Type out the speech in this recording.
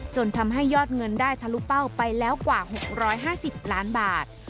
จนทำให้ยอดเงินได้ทะลุเป้าไปแล้วกว่า๖๕๐ล้านบาท